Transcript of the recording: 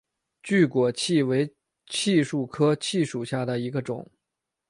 巨果槭为槭树科槭属下的一个种。